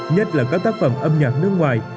nhất là các tác phẩm âm nhạc nước ngoài